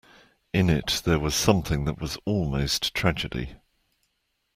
In it there was something that was almost tragedy.